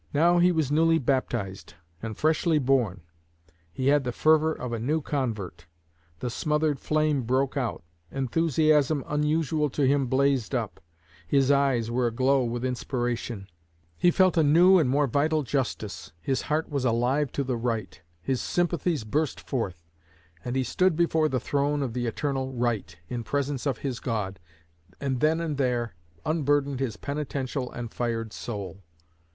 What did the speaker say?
Now he was newly baptized and freshly born; he had the fervor of a new convert; the smothered flame broke out; enthusiasm unusual to him blazed up; his eyes were aglow with inspiration; he felt a new and more vital justice; his heart was alive to the right; his sympathies burst forth; and he stood before the throne of the eternal Right, in presence of his God, and then and there unburdened his penitential and fired soul.